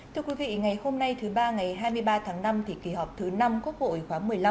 thưa quý vị ngày hôm nay thứ ba ngày hai mươi ba tháng năm thì kỳ họp thứ năm quốc hội khóa một mươi năm